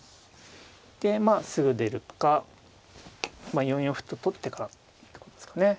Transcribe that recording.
でまあすぐ出るか４四歩と取ってかということですかね。